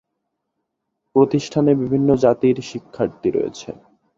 প্রতিষ্ঠানে বিভিন্ন জাতির শিক্ষার্থী রয়েছে।